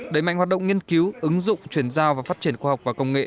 đẩy mạnh hoạt động nghiên cứu ứng dụng chuyển giao và phát triển khoa học và công nghệ